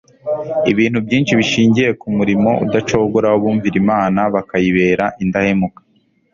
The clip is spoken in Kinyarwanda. Ibintu byinshi bishingiye ku murimo udacogora wabumvira Imana bakayibera indahemuka